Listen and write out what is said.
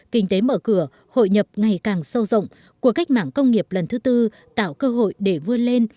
kinh tế mở cửa hội nhập ngày càng sâu rộng của cách mạng công nghiệp lần thứ tư tạo cơ hội để vươn lên